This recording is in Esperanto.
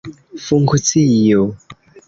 funkcio